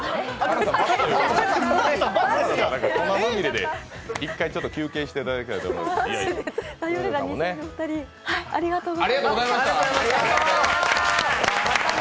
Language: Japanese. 粉まみれで１回休憩していただきたいと思います。